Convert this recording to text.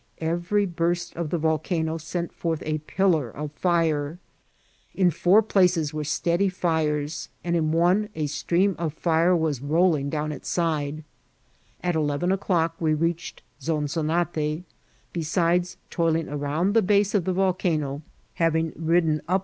Every burst of the volcano sent forth a pillar of fire ; in four places were steady fires, and in one a stream of fire was rolling down its side. At eleven o'clock we reached Zonzonate, besides toil ing around the base of the volcano, having ridden up* Vol. L— T j 830 IKCIDSKT8 or TRATSL.